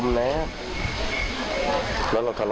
แล้วคนตายนี้ออกมาจากไหน